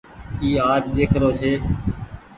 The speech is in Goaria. اي آج ۮيک رو ڇي۔